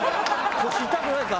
「腰痛くないか？」